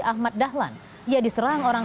ahmad dahlan ia diserang orang